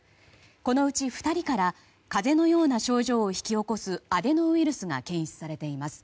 このうち２人から風邪のような症状を引き起こすアデノウイルスが検出されています。